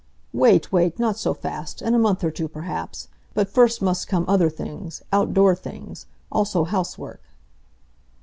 "Wait, wait; not so fast! In a month or two, perhaps. But first must come other things outdoor things. Also housework."